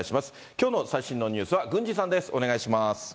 きょうの最新のニュースは郡司さんです。